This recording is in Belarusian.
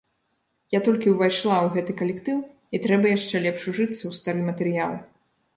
Я толькі ўвайшла ў гэты калектыў і трэба яшчэ лепш ужыцца ў стары матэрыял.